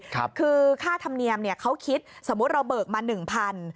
คือค่าธรรมเนียมเขาคิดสมมุติเราเบิกมา๑๐๐๐บาท